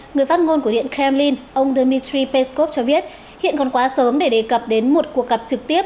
người phát ngôn của điện kremlin ông dmitry peskov cho biết hiện còn quá sớm để đề cập đến một cuộc gặp trực tiếp